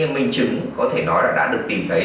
minh chứng có thể nói đã được tìm thấy